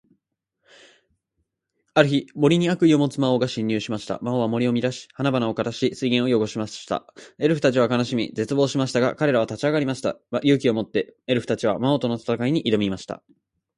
ある日、森に悪意を持つ魔王が侵入しました。魔王は森を乱し、花々を枯らし、水源を汚しました。エルフたちは悲しみ、絶望しましたが、彼らは立ち上がりました。勇気を持って、エルフたちは魔王との戦いに挑みました。